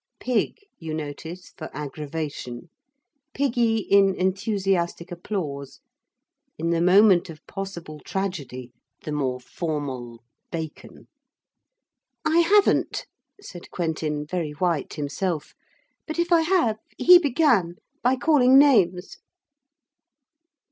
Pig, you notice, for aggravation Piggy in enthusiastic applause. In the moment of possible tragedy the more formal Bacon. 'I haven't,' said Quentin, very white himself, 'but if I have he began by calling names.'